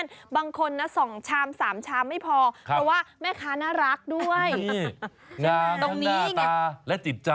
เอาคุณอรัชพรกลับมาไปเลยตอนนี้เลย